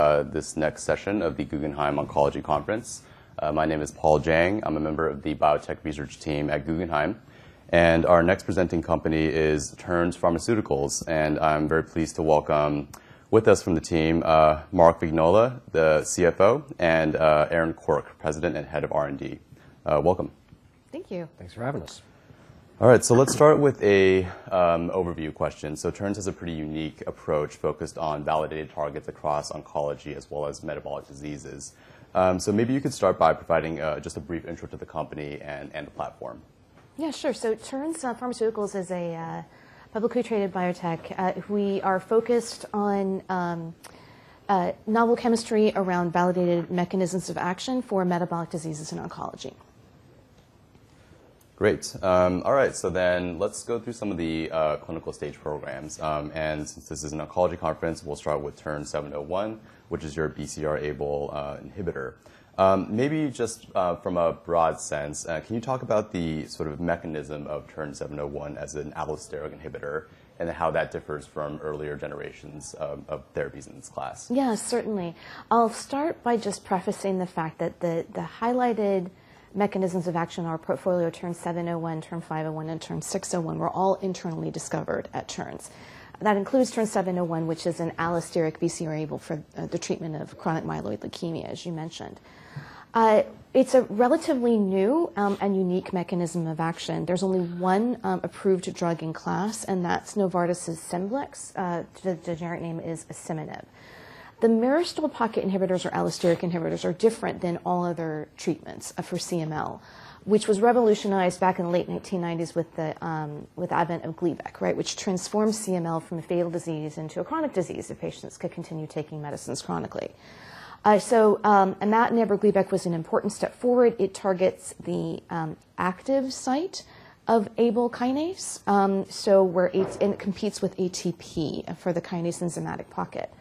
This next session of the Guggenheim Oncology Conference. My name is Paul Jeng. I'm a member of the biotech research team at Guggenheim, and our next presenting company is Terns Pharmaceuticals, and I'm very pleased to welcome with us from the team, Mark Vignola, the CFO, and Erin Quirk, President and Head of R&D. Welcome. Thank you. Thanks for having us. All right, let's start with a overview question. Tern has a pretty unique approach focused on validated targets across oncology as well as metabolic diseases. Maybe you could start by providing just a brief intro to the company and the platform. Yeah, sure. Terns Pharmaceuticals is a publicly traded biotech. We are focused on novel chemistry around validated mechanisms of action for metabolic diseases and oncology. Great. All right, let's go through some of the clinical stage programs. This is an oncology conference, we'll start with TERN-701, which is your BCR-ABL inhibitor. From a broad sense, can you talk about the sort of mechanism of TERN-701 as an allosteric inhibitor and how that differs from earlier generations of therapies in this class? Yeah, certainly. I'll start by just prefacing the fact that the highlighted mechanisms of action in our portfolio, TERN-701, TERN-501, and TERN-601, were all internally discovered at Terns. That includes TERN-701, which is an allosteric BCR-ABL for the treatment of chronic myeloid leukemia, as you mentioned. It's a relatively new and unique mechanism of action. There's only one approved drug in class, and that's Novartis' SCEMBLIX. The generic name is asciminib. The myristoyl pocket inhibitors or allosteric inhibitors are different than all other treatments for CML, which was revolutionized back in the late 1990s with the advent of Gleevec, right? Transformed CML from a fatal disease into a chronic disease, patients could continue taking medicines chronically. Imatinib or Gleevec was an important step forward. It targets the active site of ABL kinase. It competes with ATP for the kinase enzymatic pocket.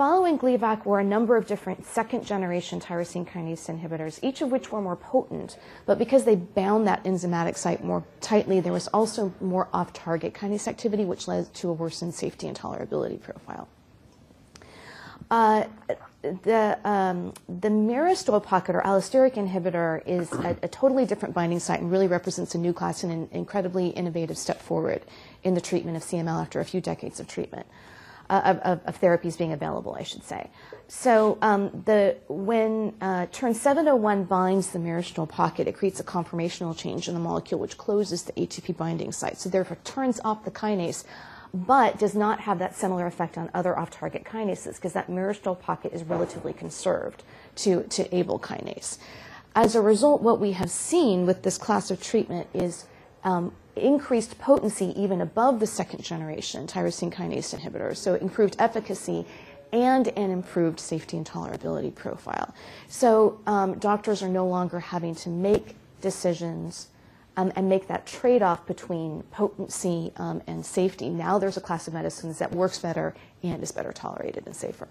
Following Gleevec were a number of different second-generation tyrosine kinase inhibitors, each of which were more potent. Because they bound that enzymatic site more tightly, there was also more off-target kinase activity, which led to a worsened safety and tolerability profile. The myristoyl pocket or allosteric inhibitor is a totally different binding site and really represents a new class and an incredibly innovative step forward in the treatment of CML after a few decades of treatment. Of therapies being available, I should say. When TERN-701 binds the myristoyl pocket, it creates a conformational change in the molecule, which closes the ATP binding site. Therefore, turns off the kinase but does not have that similar effect on other off-target kinases 'cause that myristoyl pocket is relatively conserved to ABL kinase. As a result, what we have seen with this class of treatment is increased potency even above the second-generation tyrosine kinase inhibitors, so improved efficacy and an improved safety and tolerability profile. Doctors are no longer having to make decisions and make that trade-off between potency and safety. Now, there's a class of medicines that works better and is better tolerated and safer.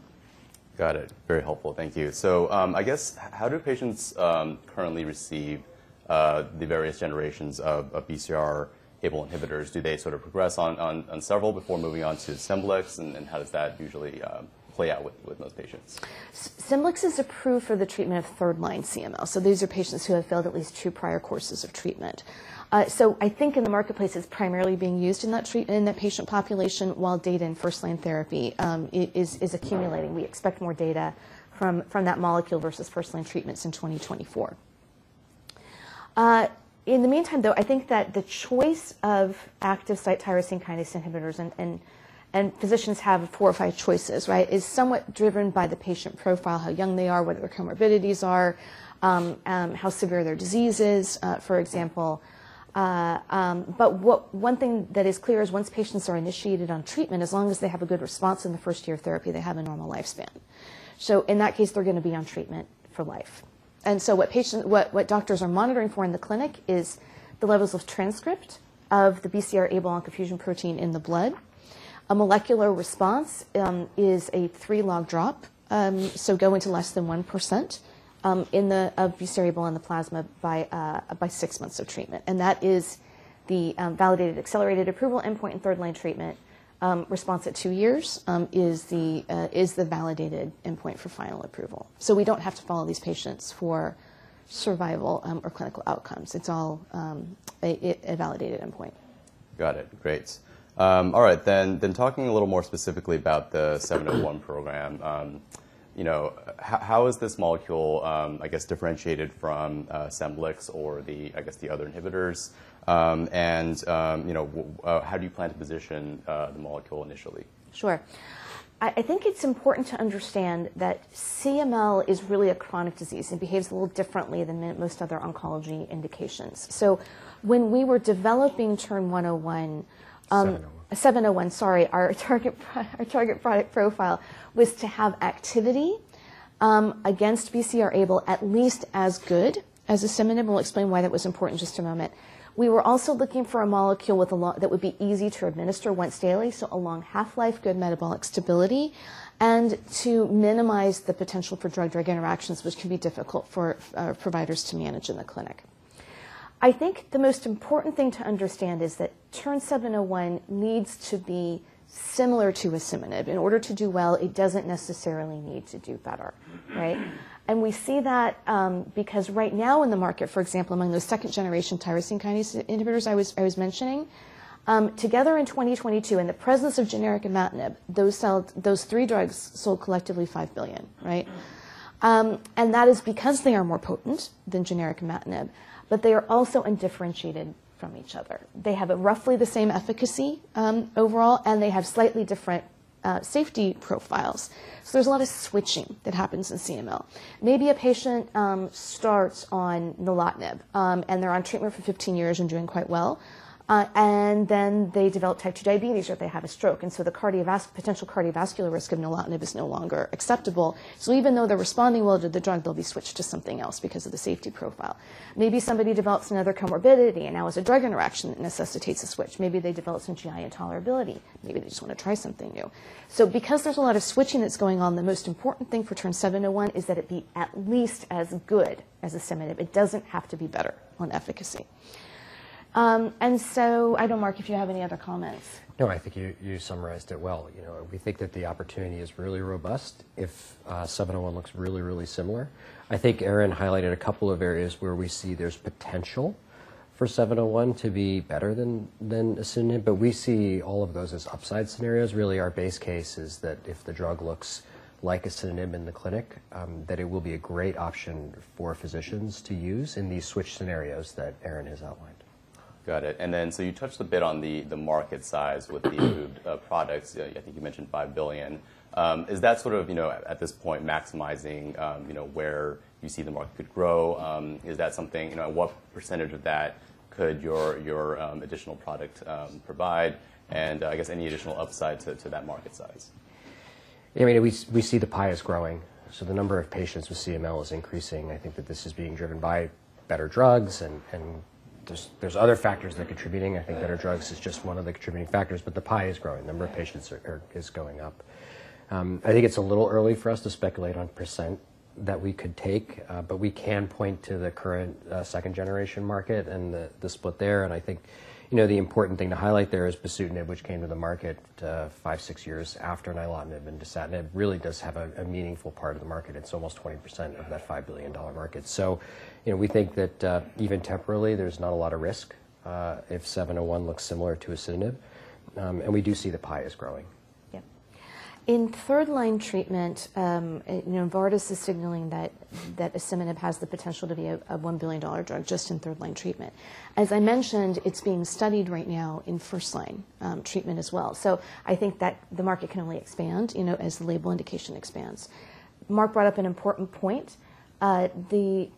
Got it. Very helpful. Thank you. I guess how do patients currently receive the various generations of BCR-ABL inhibitors? Do they sort of progress on several before moving on to SCEMBLIX? How does that usually play out with most patients? SCEMBLIX is approved for the treatment of third line CML, so these are patients who have failed at least two prior courses of treatment. I think in the marketplace it's primarily being used in that treatment in that patient population while data in first-line therapy is accumulating. We expect more data from that molecule versus first-line treatments in 2024. In the meantime, though, I think that the choice of active site tyrosine kinase inhibitors and physicians have four or five choices, right? Is somewhat driven by the patient profile, how young they are, what their comorbidities are, how severe their disease is, for example. One thing that is clear is once patients are initiated on treatment, as long as they have a good response in the first year of therapy, they have a normal lifespan. In that case, they're gonna be on treatment for life. What doctors are monitoring for in the clinic is the levels of transcript of the BCR-ABL oncogene fusion protein in the blood. A molecular response is a 3-log drop, so going to less than 1% in the BCR-ABL in the plasma by 6 months of treatment, and that is the validated accelerated approval endpoint in third line treatment. Response at 2 years is the validated endpoint for final approval. We don't have to follow these patients for survival, or clinical outcomes. It's all, a validated endpoint. Got it. Great. All right, then talking a little more specifically about the 701 program, you know, how is this molecule, I guess differentiated from SCEMBLIX or the, I guess the other inhibitors? You know, how do you plan to position the molecule initially? Sure. I think it's important to understand that CML is really a chronic disease and behaves a little differently than most other oncology indications. When we were developing TERN-101, 701. TERN-701, sorry. Our target product profile was to have activity against BCR-ABL, at least as good as asciminib. We'll explain why that was important in just a moment. We were also looking for a molecule that would be easy to administer once daily, so a long half-life, good metabolic stability, and to minimize the potential for drug-drug interactions, which can be difficult for providers to manage in the clinic. I think the most important thing to understand is that TERN-701 needs to be similar to asciminib. In order to do well, it doesn't necessarily need to do better, right? We see that because right now in the market, for example, among those second-generation tyrosine kinase inhibitors I was mentioning, together in 2022, in the presence of generic imatinib, those sell... those three drugs sold collectively $5 billion, right? That is because they are more potent than generic imatinib, but they are also undifferentiated from each other. They have a roughly the same efficacy, overall, and they have slightly different, safety profiles. There's a lot of switching that happens in CML. Maybe a patient starts on nilotinib, and they're on treatment for 15 years and doing quite well, and then they develop type 2 diabetes or they have a stroke, and so the potential cardiovascular risk of nilotinib is no longer acceptable. Even though they're responding well to the drug, they'll be switched to something else because of the safety profile. Maybe somebody develops another comorbidity, and now it's a drug interaction that necessitates a switch. Maybe they develop some GI intolerability. Maybe they just wanna try something new. Because there's a lot of switching that's going on, the most important thing for TERN-701 is that it be at least as good as asciminib. It doesn't have to be better on efficacy. I don't know, Mark, if you have any other comments. No, I think you summarized it well. You know, we think that the opportunity is really robust if seven-O-one looks really, really similar. I think Erin highlighted a couple of areas where we see there's potential for seven-O-one to be better than asciminib, but we see all of those as upside scenarios. Really, our base case is that if the drug looks like asciminib in the clinic, that it will be a great option for physicians to use in these switch scenarios that Erin has outlined. Got it. You touched a bit on the market size with the products. I think you mentioned $5 billion. Is that sort of, you know, at this point maximizing, you know, where you see the market could grow? Is that something? You know, what percentage of that could your additional product provide and, I guess, any additional upside to that market size? I mean, we see the pie is growing, the number of patients with CML is increasing. I think that this is being driven by better drugs and there's other factors that are contributing. I think better drugs is just one of the contributing factors, but the pie is growing. The number of patients is going up. I think it's a little early for us to speculate on percent that we could take, but we can point to the current second-generation market and the split there. I think, you know, the important thing to highlight there is bosutinib, which came to the market 5, 6 years after nilotinib and dasatinib, really does have a meaningful part of the market. It's almost 20% of that $5 billion market. You know, we think that, even temporarily, there's not a lot of risk, if TERN-701 looks similar to asciminib. We do see the pie is growing. Yeah. In third-line treatment, you know, Novartis is signaling that asciminib has the potential to be a $1 billion drug just in third-line treatment. As I mentioned, it's being studied right now in first-line treatment as well. I think that the market can only expand, you know, as the label indication expands. Mark brought up an important point. The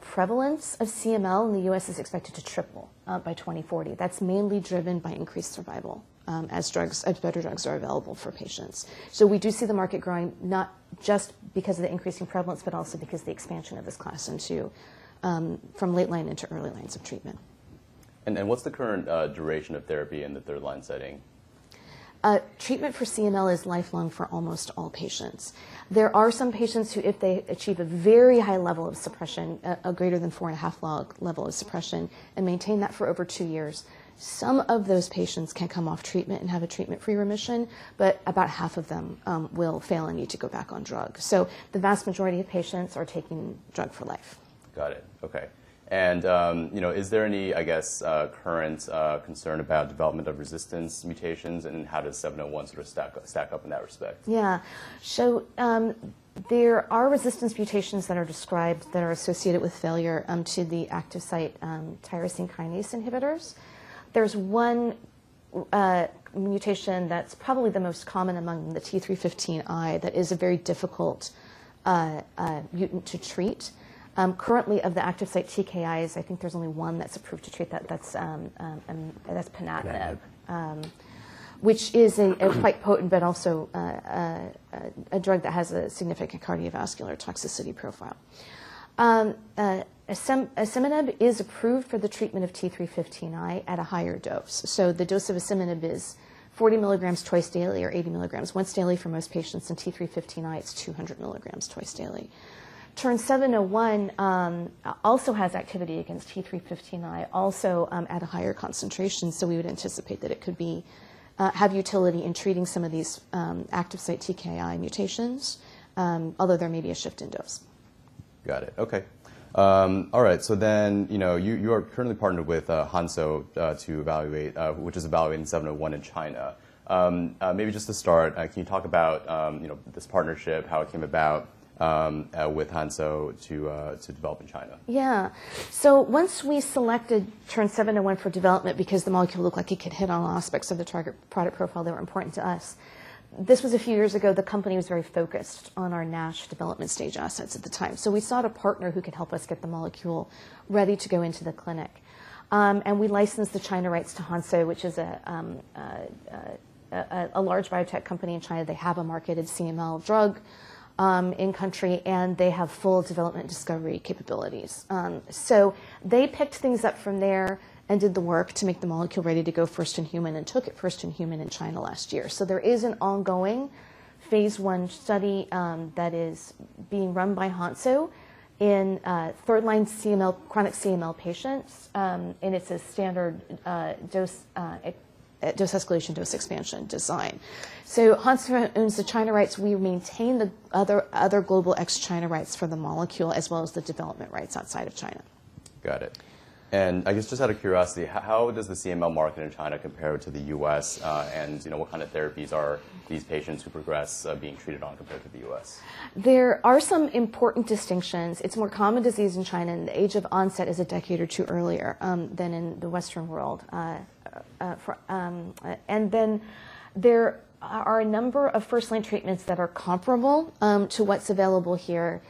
prevalence of CML in the U.S. is expected to triple by 2040. That's mainly driven by increased survival as better drugs are available for patients. We do see the market growing, not just because of the increasing prevalence, but also because the expansion of this class into from late line into early lines of treatment. What's the current duration of therapy in the third-line setting? Treatment for CML is lifelong for almost all patients. There are some patients who, if they achieve a very high level of suppression, a greater than 4.5 log level of suppression and maintain that for over two years, some of those patients can come off treatment and have a treatment-free remission, but about half of them will fail and need to go back on drug. The vast majority of patients are taking drug for life. Got it. Okay. You know, is there any, I guess, current concern about development of resistance mutations, and how does 701 sort of stack up in that respect? Yeah. There are resistance mutations that are described that are associated with failure to the active site tyrosine kinase inhibitors. There's one mutation that's probably the most common among them, the T315I, that is a very difficult mutant to treat. Currently of the active site TKIs, I think there's only one that's approved to treat that. I mean, that's ponatinib. Ponatinib. which is a quite potent, but also a drug that has a significant cardiovascular toxicity profile. Asciminib is approved for the treatment of T315I at a higher dose. The dose of asciminib is 40 milligrams twice daily or 80 milligrams once daily for most patients. In T315I, it's 200 milligrams twice daily. TERN-701 also has activity against T315I also at a higher concentration, so we would anticipate that it could be have utility in treating some of these active site TKI mutations, although there may be a shift in dose. Got it. Okay. All right. You know, you are currently partnered with Hansoh which is evaluating 701 in China. Maybe just to start, can you talk about, you know, this partnership, how it came about with Hansoh to develop in China? Once we selected TERN-701 for development because the molecule looked like it could hit on all aspects of the target product profile that were important to us, this was a few years ago. The company was very focused on our NASH development stage assets at the time. We sought a partner who could help us get the molecule ready to go into the clinic. We licensed the China rights to Hansoh, which is a large biotech company in China. They have a marketed CML drug in country, and they have full development discovery capabilities. They picked things up from there and did the work to make the molecule ready to go first-in-human, and took it first-in-human in China last year. There is an ongoing phase I study that is being run by Hansoh in third line CML, chronic CML patients, and it's a standard dose escalation, dose expansion design. Hansoh owns the China rights. We maintain the other global ex-China rights for the molecule as well as the development rights outside of China. Got it. I guess just out of curiosity, how does the CML market in China compare to the US? You know, what kind of therapies are these patients who progress, being treated on compared to the US? There are some important distinctions. It's a more common disease in China, and the age of onset is a decade or two earlier, than in the Western world. There are a number of first-line treatments that are comparable to what's available here.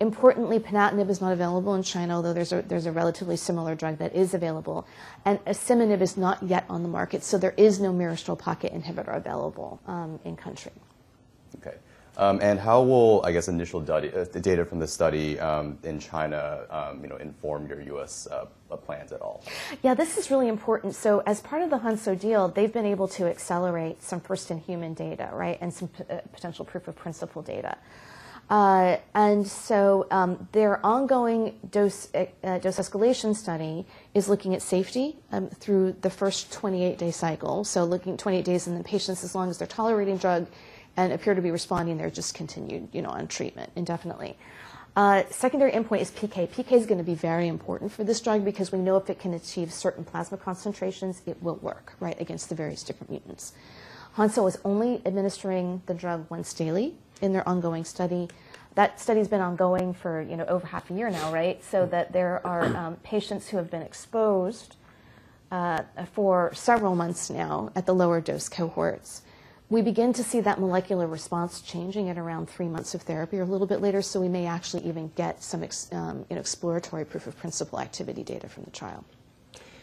Importantly, ponatinib is not available in China, although there's a relatively similar drug that is available. Asciminib is not yet on the market, so there is no myristoyl pocket inhibitor available in country. Okay. how will, I guess, initial the data from the study, in China, you know, inform your U.S. plans at all? Yeah, this is really important. As part of the Hansoh deal, they've been able to accelerate some first-in-human data, right? Some potential proof of principle data. Their ongoing dose escalation study is looking at safety through the first 28-day cycle. Looking 28 days, and then patients, as long as they're tolerating drug and appear to be responding, they're just continued, you know, on treatment indefinitely. Secondary endpoint is PK. PK is gonna be very important for this drug because we know if it can achieve certain plasma concentrations, it will work, right, against the various different mutants. Hansoh is only administering the drug once daily in their ongoing study. That study's been ongoing for, you know, over half a year now, right? There are patients who have been exposed for several months now at the lower dose cohorts. We begin to see that molecular response changing at around three months of therapy or a little bit later, so we may actually even get some, you know, exploratory proof of principle activity data from the trial.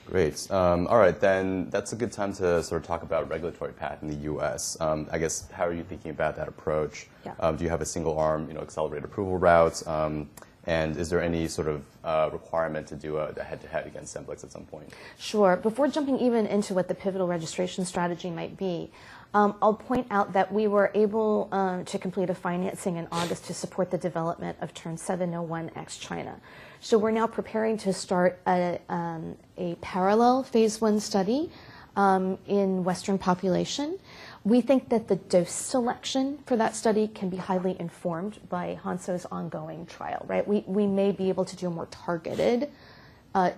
Great. All right, that's a good time to sort of talk about regulatory path in the U.S. I guess, how are you thinking about that approach? Yeah. Do you have a single arm, you know, accelerated approval routes? Is there any sort of requirement to do the head-to-head against SCEMBLIX at some point? Sure. Before jumping even into what the pivotal registration strategy might be, I'll point out that we were able to complete a financing in August to support the development of TERN-701 ex-China. We're now preparing to start a parallel Phase 1 study in Western population. We think that the dose selection for that study can be highly informed by Hansoh's ongoing trial, right? We may be able to do a more targeted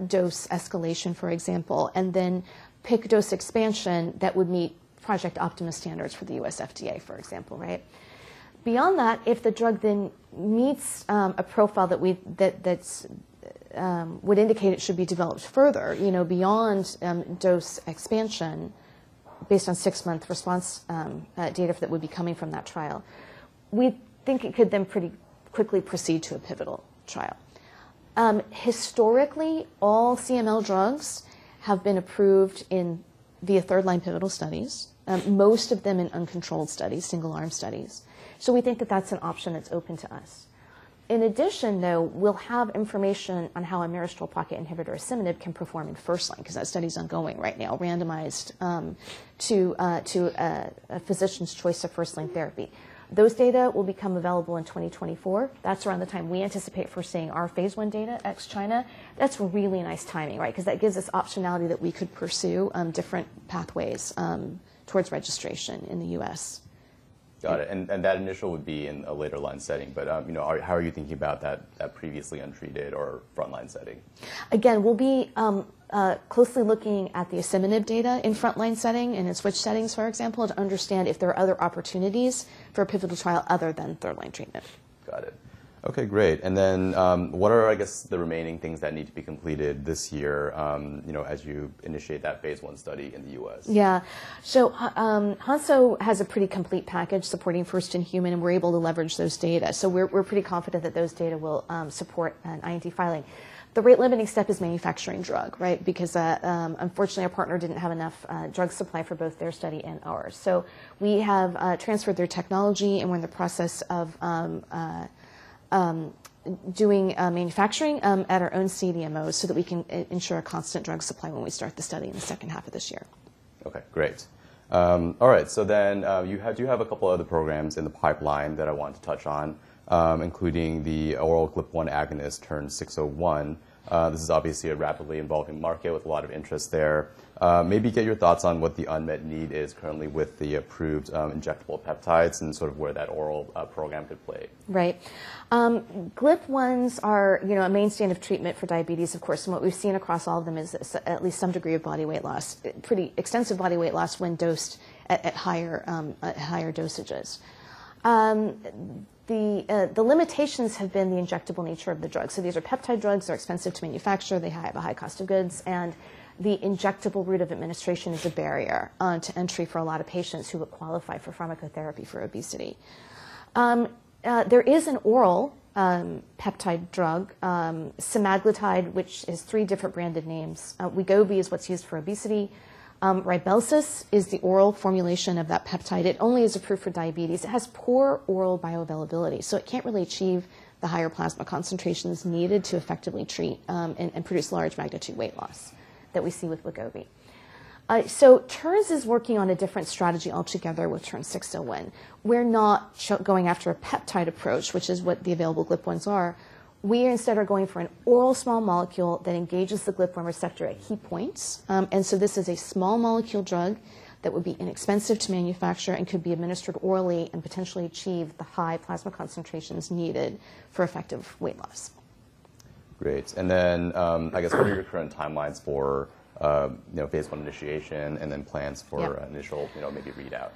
dose escalation, for example, and then pick dose expansion that would meet project optimal standards for the US FDA, for example, right? If the drug then meets a profile that's would indicate it should be developed further, you know, beyond dose expansion based on 6-month response data that would be coming from that trial, we think it could then pretty quickly proceed to a pivotal trial. Historically, all CML drugs have been approved via 3rd-line pivotal studies, most of them in uncontrolled studies, single arm studies. We think that that's an option that's open to us. In addition, though, we'll have information on how a Myristoyl Pocket Inhibitor asciminib can perform in first-line, because that study's ongoing right now, randomized to a physician's choice of first-line therapy. Those data will become available in 2024. That's around the time we anticipate for seeing our phase 1 data ex-China. That's really nice timing, right? That gives us optionality that we could pursue, different pathways, towards registration in the U.S. Got it. That initial would be in a later line setting, but, you know, how are you thinking about that previously untreated or frontline setting? We'll be closely looking at the asciminib data in frontline setting and in switch settings, for example, to understand if there are other opportunities for a pivotal trial other than third line treatment. Got it. Okay, great. What are, I guess, the remaining things that need to be completed this year, you know, as you initiate that phase 1 study in the U.S.? Hansoh has a pretty complete package supporting first in human, and we're able to leverage those data. We're pretty confident that those data will support an IND filing. The rate limiting step is manufacturing drug, right? Unfortunately, our partner didn't have enough drug supply for both their study and ours. We have transferred their technology, and we're in the process of doing manufacturing at our own CDMO so that we can ensure a constant drug supply when we start the study in the second half of this year. Okay, great. All right. You have a couple other programs in the pipeline that I wanted to touch on, including the oral GLP-1 agonist TERN-601. This is obviously a rapidly evolving market with a lot of interest there. Maybe get your thoughts on what the unmet need is currently with the approved injectable peptides and sort of where that oral program could play. Right. GLP-1s are, you know, a mainstay of treatment for diabetes, of course. What we've seen across all of them is at least some degree of body weight loss, pretty extensive body weight loss when dosed at higher, at higher dosages. The limitations have been the injectable nature of the drug. These are peptide drugs. They're expensive to manufacture. They have a high cost of goods, and the injectable route of administration is a barrier to entry for a lot of patients who would qualify for pharmacotherapy for obesity. There is an oral peptide drug, semaglutide, which is three different branded names. Wegovy is what's used for obesity. RYBELSUS is the oral formulation of that peptide. It only is approved for diabetes. It has poor oral bioavailability, so it can't really achieve the higher plasma concentrations needed to effectively treat and produce large magnitude weight loss that we see with Wegovy. Tern is working on a different strategy altogether with TERN-601. We're not going after a peptide approach, which is what the available GLP-1s are. We instead are going for an oral small molecule that engages the GLP-1 receptor at key points. This is a small molecule drug that would be inexpensive to manufacture and could be administered orally and potentially achieve the high plasma concentrations needed for effective weight loss. Great. I guess what are your current timelines for, you know, phase 1 initiation and then plans? Yeah. initial, you know, maybe readout?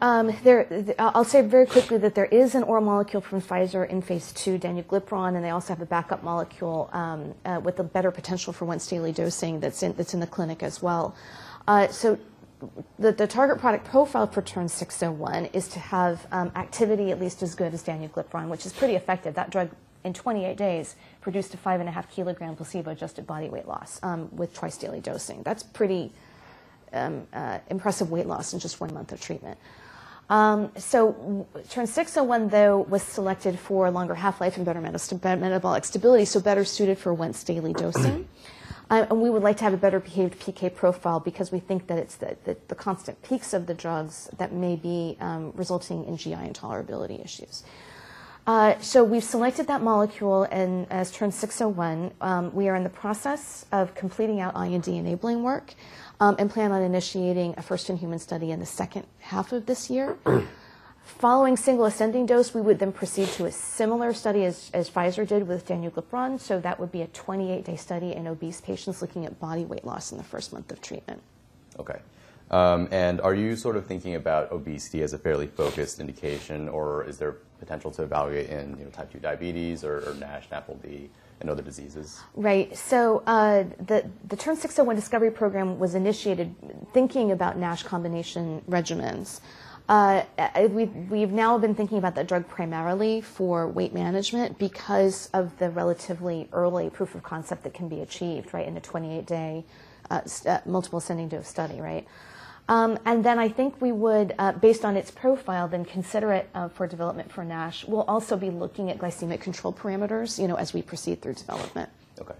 I'll say very quickly that there is an oral molecule from Pfizer in phase 2, danuglipron, and they also have a backup molecule with a better potential for once-daily dosing that's in the clinic as well. The target product profile for TERN-601 is to have activity at least as good as danuglipron, which is pretty effective. That drug, in 28 days, produced a 5.5 kilogram placebo-adjusted body weight loss with twice-daily dosing. That's pretty impressive weight loss in just one month of treatment. TERN-601, though, was selected for longer half-life and better metabolic stability, so better suited for once-daily dosing. We would like to have a better behaved PK profile because we think that it's the constant peaks of the drugs that may be resulting in GI intolerability issues. We've selected that molecule and as TERN-601, we are in the process of completing out IND-enabling work, and plan on initiating a first-in-human study in the second half of this year. Following single ascending dose, we would then proceed to a similar study as Pfizer did with danuglipron, so that would be a 28-day study in obese patients looking at body weight loss in the first month of treatment. Okay. Are you sort of thinking about obesity as a fairly focused indication, or is there potential to evaluate in, you know, type 2 diabetes or NASH, NAFLD, and other diseases? Right. The TERN-601 discovery program was initiated thinking about NASH combination regimens. We've now been thinking about the drug primarily for weight management because of the relatively early proof of concept that can be achieved, right, in a 28-day multiple ascending dose study, right? I think we would, based on its profile, then consider it for development for NASH. We'll also be looking at glycemic control parameters, you know, as we proceed through development. Okay.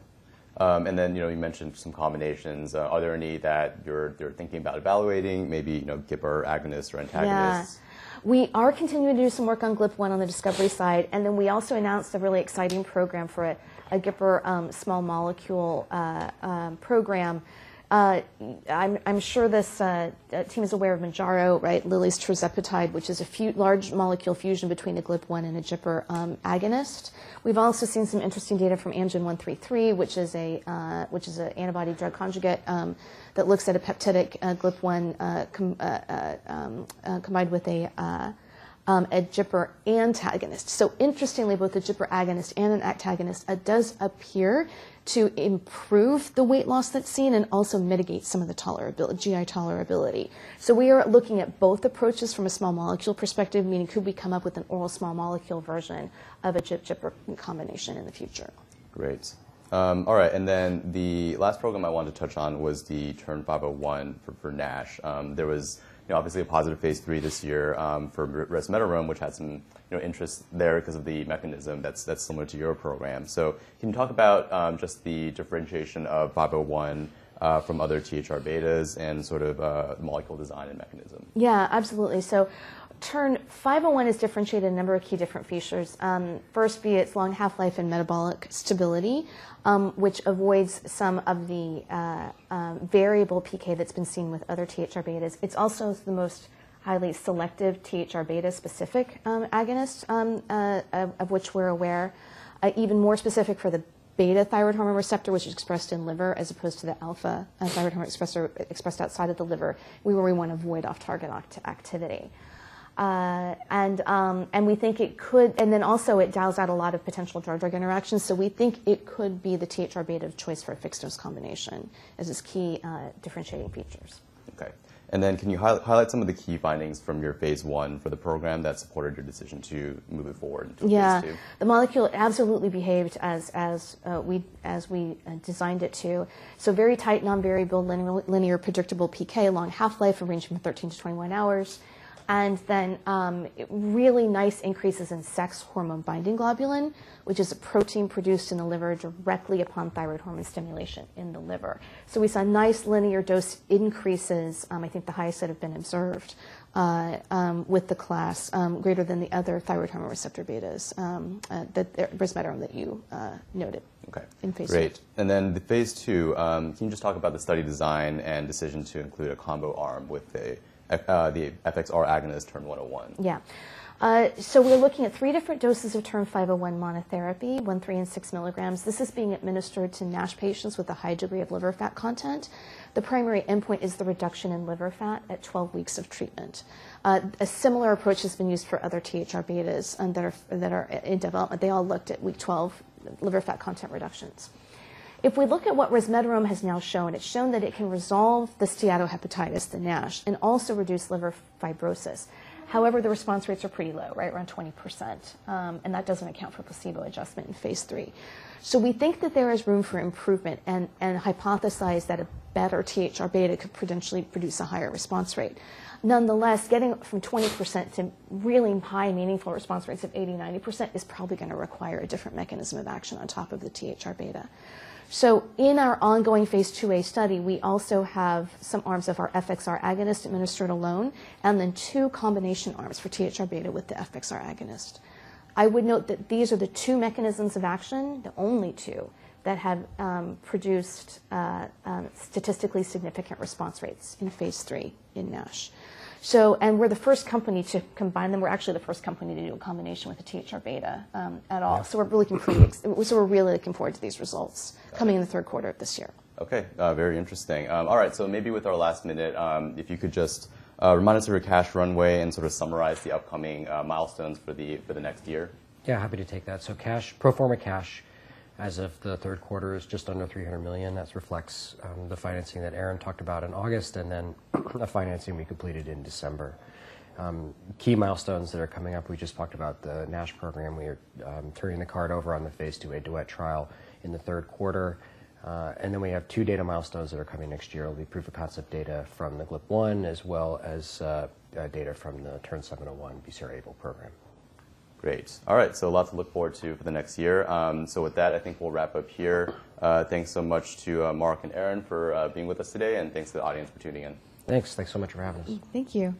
You know, you mentioned some combinations. Are there any that you're thinking about evaluating, maybe, you know, GPCR agonist or antagonists? We are continuing to do some work on GLP-1 on the discovery side, and then we also announced a really exciting program for a GPCR small molecule program. I'm sure this team is aware of Mounjaro, right, Lilly's tirzepatide, which is a large molecule fusion between a GLP-1 and a GPCR agonist. We've also seen some interesting data from AMG 133, which is a antibody-drug conjugate that looks at a peptidic GLP-1 combined with a GPCR antagonist. Interestingly, both a GPCR agonist and an antagonist does appear to improve the weight loss that's seen and also mitigate some of the GI tolerability. We are looking at both approaches from a small molecule perspective, meaning could we come up with an oral small molecule version of a GIP GPCR combination in the future. Great. All right, the last program I wanted to touch on was the TERN-501 for NASH. There was, you know, obviously a positive phase 3 this year for resmetirom, which had some, you know, interest there because of the mechanism that's similar to your program. Can you talk about just the differentiation of 501 from other THR-βs and sort of molecule design and mechanism? Absolutely. TERN-501 is differentiated in a number of key different features. First, it's long half-life and metabolic stability, which avoids some of the variable PK that's been seen with other THR-βs. It's also the most highly selective THR-β specific agonist of which we're aware. Even more specific for the beta thyroid hormone receptor, which is expressed in liver as opposed to the alpha thyroid hormone expressed outside of the liver, where we wanna avoid off-target activity. Also it dials out a lot of potential drug-drug interactions, so we think it could be the THR-β of choice for a fixed-dose combination. This is key differentiating features. Okay. Then can you highlight some of the key findings from your phase 1 for the program that supported your decision to move it forward into phase 2? Yeah. The molecule absolutely behaved as we designed it to. Very tight, non-variable, linear, predictable PK, long half-life, ranging from 13 to 21 hours. Really nice increases in sex hormone-binding globulin, which is a protein produced in the liver directly upon thyroid hormone stimulation in the liver. We saw nice linear dose increases, I think the highest that have been observed with the class, greater than the other thyroid hormone receptor betas, resmetirom that you noted. Okay. in phase two. Great. The phase 2, can you just talk about the study design and decision to include a combo arm with a, the FXR agonist TERN-101? Yeah. We're looking at 3 different doses of TERN-501 monotherapy, 1, 3, and 6 mg. This is being administered to NASH patients with a high degree of liver fat content. The primary endpoint is the reduction in liver fat at 12 weeks of treatment. A similar approach has been used for other THR-βs that are in development. They all looked at week 12 liver fat content reductions. If we look at what resmetirom has now shown, it's shown that it can resolve the steatohepatitis, the NASH, and also reduce liver fibrosis. The response rates are pretty low, right around 20%, and that doesn't account for placebo adjustment in phase 3. We think that there is room for improvement and hypothesize that a better THR-β could potentially produce a higher response rate. Nonetheless, getting from 20% to really high meaningful response rates of 80%, 90% is probably gonna require a different mechanism of action on top of the THR-β. In our ongoing phase 2a study, we also have some arms of our FXR agonist administered alone and then 2 combination arms for THR-β with the FXR agonist. I would note that these are the 2 mechanisms of action, the only 2 that have produced statistically significant response rates in phase 3 in NASH. We're the first company to combine them. We're actually the first company to do a combination with the THR-β at all. Yeah. We're really looking forward to these results coming in the third quarter of this year. Okay. Very interesting. Maybe with our last minute, if you could just, remind us of your cash runway and sort of summarize the upcoming milestones for the next year. Yeah, happy to take that. Pro forma cash as of the third quarter is just under $300 million. That reflects the financing that Erin talked about in August and then the financing we completed in December. Key milestones that are coming up, we just talked about the NASH program. We are turning the card over on the phase 2a DUET trial in the third quarter. Then we have 2 data milestones that are coming next year. It'll be proof of concept data from the GLP-1 as well as data from the TERN-701 BCR-ABL program. Great. All right. A lot to look forward to for the next year. With that, I think we'll wrap up here. Thanks so much to Mark and Erin for being with us today, and thanks to the audience for tuning in. Thanks. Thanks so much for having us. Thank you.